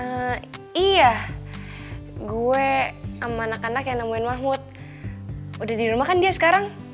eee iya gue sama anak anak yang nemuin mahmud udah dirumah kan dia sekarang